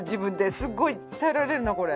すごい鍛えられるなこれ。